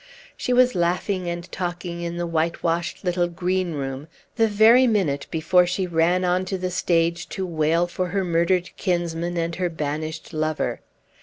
She was laughing and talking in the whitewashed little green room the very minute before she ran on to the stage to wail for her murdered kinsman and her banished lover.